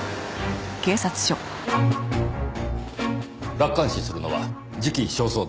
楽観視するのは時期尚早です。